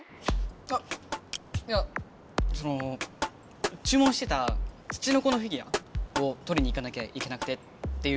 あっいやそのちゅう文してたツチノコのフィギュアをとりに行かなきゃいけなくてっていう。